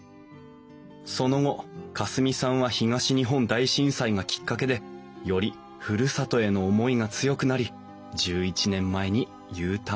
その後夏澄さんは東日本大震災がきっかけでよりふるさとへの思いが強くなり１１年前にＵターン。